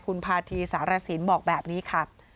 คุณพาธีสารสินบอกแบบนี้ค่ะ